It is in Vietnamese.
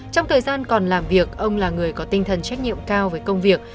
trong thời gian còn làm việc ông là người có tinh thần trách nhiệm cao với công việc